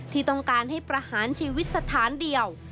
ที่ต้องการให้ประหารชีวิตสถานเดียว